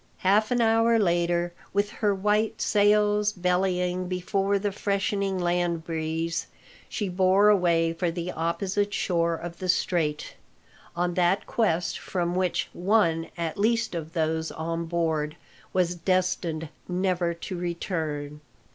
Half an hour later, with her white sails bellying before the freshening land breeze, she bore away for the opposite shore of the Strait, on that quest from which one at least of those on board was destined never to return.